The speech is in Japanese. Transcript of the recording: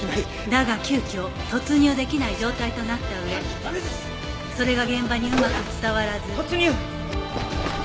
だが急きょ突入できない状態となった上それが現場にうまく伝わらず突入！